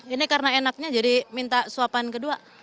ini karena enaknya jadi minta suapan kedua